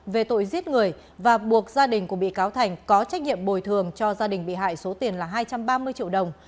về tội giết người và buộc gia đình của bị cáo thành có trách nhiệm bồi thường cho gia đình bị hại số tiền là hai trăm ba mươi triệu đồng